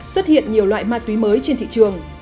xuất hiện nhiều loại ma túy mới trên thị trường